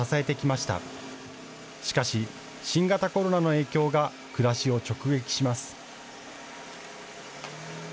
しかし、新型コロナの影響が暮らしを直撃します。